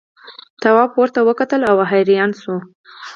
تواب پورته وکتل او حیران شو.